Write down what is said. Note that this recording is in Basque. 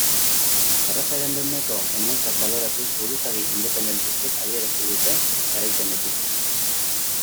Erreferendumeko emaitzak baloratuz buruzagi independentistek adierazi dute, garaipenetik.